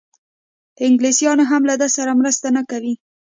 انګلیسیان هم له ده سره مرسته نه کوي.